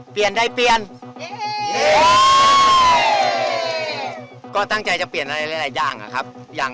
เปลี่ยน